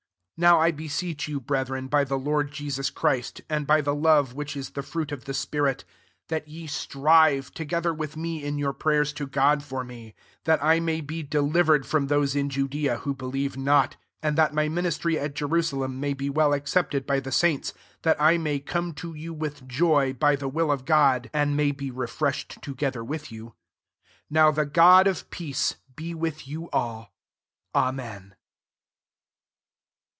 30 Now I beseech you, breth ren, by the Lord Jesus Christ, and by the love which is the fruit of the spirit, that ye strive, together with me, in your |H«y ers to God for me ; 31 that I may be delivered from tko» in Judea who believe not; sad [/^a^J my ministry at Jerusato may be well accepted by the saints ; 32 that I may come to you with joy, by the Will of God ; [and may be refreshed to ROMANS XVI. 271 ipther with you*] 33 Now the Sod of peace be with ' you all. [lAmen.